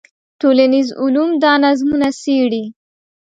ټولنیز علوم دا نظمونه څېړي.